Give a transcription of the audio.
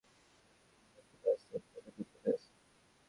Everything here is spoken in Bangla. রাস্তা পারাপারের সময় রাজশাহীগামী একটি বাস তাকে চাপা দিয়ে চলে যায়।